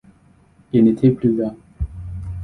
Il n’était plus là.